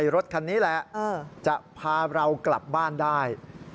รถคันนี้แหละจะพาเรากลับบ้านได้